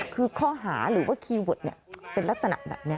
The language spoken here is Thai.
คือข้อหาหรือว่าคีย์เวิร์ดเป็นลักษณะแบบนี้